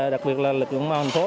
đặc biệt là lực lượng ngũ hành phố